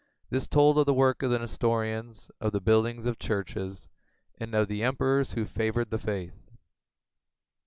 This told of the work of the Nestorians, of the building of churches, and of the emperors who favored the faith.